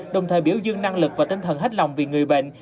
đồng thời biểu dương năng lực và tinh thần hết lòng vì người bệnh